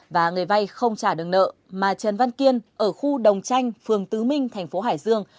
và người vay không trả đường nợ mà trần văn kiên ở khu đồng tranh phường tứ minh thành phố hải dương